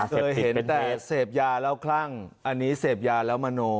เคยเห็นแต่เสพยาแล้วคลั่งอันนี้เสพยาแล้วมโน